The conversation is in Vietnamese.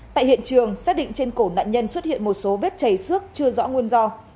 tại hiện trường xác định trên cổ nạn nhân xuất hiện một số vết chảy xước chưa rõ nguồn do